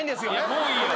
もういいよ。